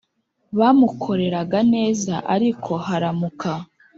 bamukoreraga neza ariko haramuka